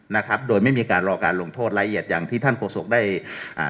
นะครับโดยไม่มีการรอการลงโทษละเอียดอย่างที่ท่านโฆษกได้อ่า